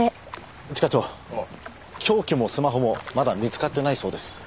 一課長凶器もスマホもまだ見つかってないそうです。